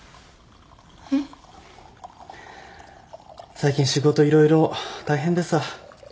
最近仕事色々大変でさ。